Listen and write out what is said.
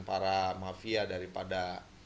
para mafia daripada